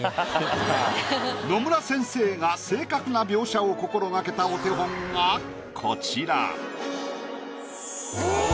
野村先生が正確な描写を心がけたお手本がこちら。